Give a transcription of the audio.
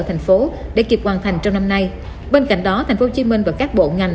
thành phố để kịp hoàn thành trong năm nay bên cạnh đó tp hcm và các bộ ngành